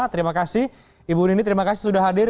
terima kasih ibu nini terima kasih sudah hadir